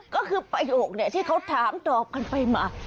ก็คือประโยคที่เขาถามตอบกันไปมา